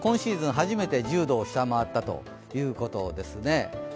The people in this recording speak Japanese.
初めて１０度を下回ったということですね。